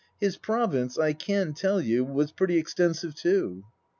His province, I can tell you, was pretty extensive, too.